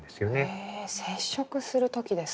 へえ接触する時ですか。